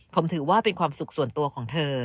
ผมถือว่าเป็นความสุขส่วนตัวของเธอ